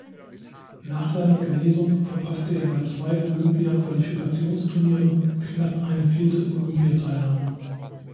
Nach seiner Genesung verpasste er bei zwei Olympia-Qualifikationsturnieren knapp eine vierte Olympiateilnahme.